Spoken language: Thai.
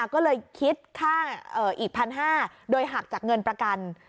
ก็เลยคิดค่าอีก๑๕๐๐บาทโดยหักจากเงินประกัน